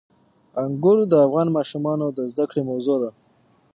انګور د افغان ماشومانو د زده کړې موضوع ده.